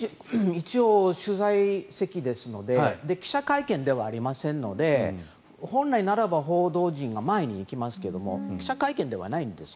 一応取材席ですので記者会見ではありませんので本来ならば報道陣が前に行きますけれども記者会見ではないんです。